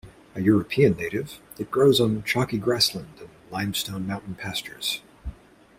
A European native it grows on chalky grass land and limestone mountain pastures.